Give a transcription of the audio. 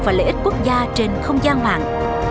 và lợi ích quốc gia trên không gian mạng